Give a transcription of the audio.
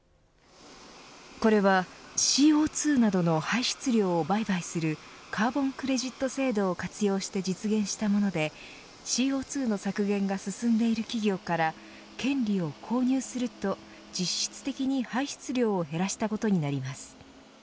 これはＣＯ２などの排出量を売買するカーボンクレジット制度を活用して実現したものでＣＯ２の削減が進んでいる企業から権利を購入すると実質的に排出量を減らしたことになります。